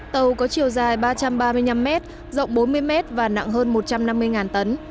tàu có chiều dài ba trăm ba mươi năm m rộng bốn mươi m và nặng hơn một trăm năm mươi tấn